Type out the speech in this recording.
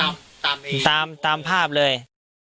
วันที่๑๓ตามภาพเลย